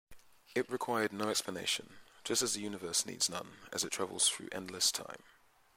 It required no explanation, just as the universe needs none as it travels through endless time.